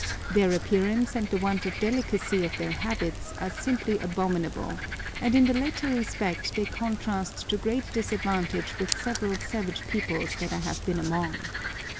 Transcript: Their appearance and the want of delicacy of their habits are simply abominable, and in the latter respect they contrast to great disadvantage with several savage peoples that I have been among.